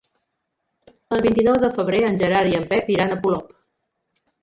El vint-i-nou de febrer en Gerard i en Pep iran a Polop.